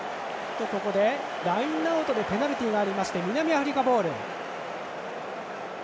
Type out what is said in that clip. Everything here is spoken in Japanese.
ラインアウトでペナルティーがありまして南アフリカボール。